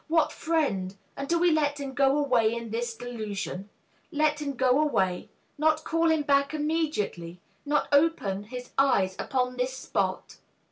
What friend! and do we let him go away In this delusion let him go away? Not call him back immediately, not open His eyes upon the spot?